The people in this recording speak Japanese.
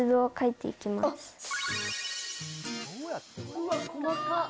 うわ細かっ。